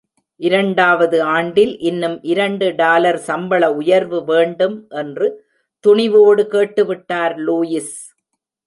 இரண்டாவது ஆண்டில், இன்னும் இரண்டு டாலர் சம்பள உயர்வு வேண்டும் என்றுதுணிவோடு கேட்டுவிட்டார் லூயிஸ்.